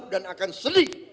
dan akan seli